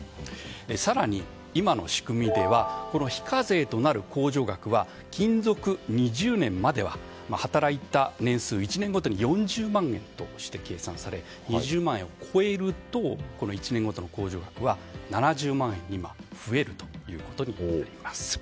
更に、今の仕組みでは非課税となる控除額は勤続２０年までは働いた年数１年ごとに４０万円として計算され２０年を超えると１年ごとの控除額は７０万円に増えることになります。